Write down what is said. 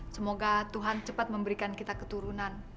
semoga tuhan cepat memberikan kita keturunan